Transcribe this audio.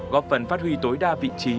góp phần phát huy tối đa vị trí